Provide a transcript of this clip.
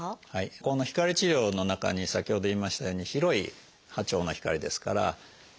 この光治療の中に先ほど言いましたように広い波長の光ですからメラニンに対応するもの